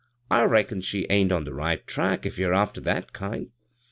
I reckon ye ain't on the right track if yer after that kind.